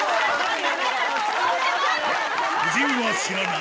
夫人は知らない。